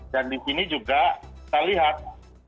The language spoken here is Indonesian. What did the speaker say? dan di sini juga kita lihat